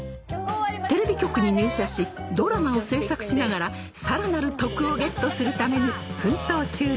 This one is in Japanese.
テレビ局に入社しドラマを制作しながらさらなる徳をゲットするために奮闘中です